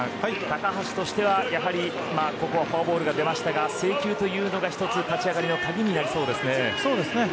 高橋としては、やはりここはフォアボールが出ましたが制球というのがひとつ立ち上がりの鍵になりそうです。